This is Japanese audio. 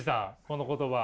この言葉。